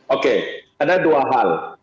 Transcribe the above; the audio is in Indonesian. oke ada dua hal